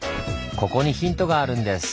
ここにヒントがあるんです。